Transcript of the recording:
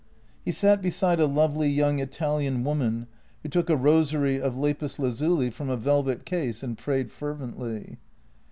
He sat beside a lovely young Italian woman, who took a rosary of lapis lazuli from a velvet case and prayed fervently.